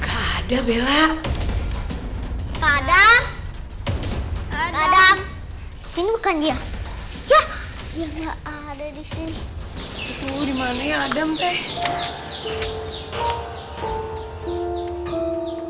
ada bella pada adam sini bukan dia ya ya enggak ada di sini dimana ya adam teh